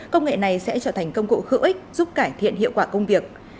công nghệ này sẽ trở thành công cụ hữu ích giúp cải thiện hiệu quả công việc